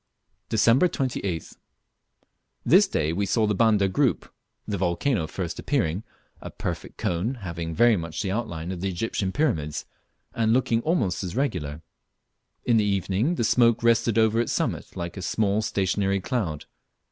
Dec. 28th. This day we saw the Banda group, the volcano first appearing, a perfect cone, having very much the outline of the Egyptian pyramids, and looking almost as regular. In the evening the smoke rested over its summit like a small stationary cloud.